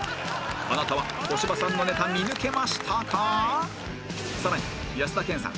あなたは小芝さんのネタ見抜けましたか？